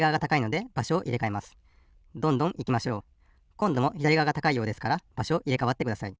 こんどもひだりがわが高いようですからばしょをいれかわってください。